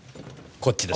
こっちです。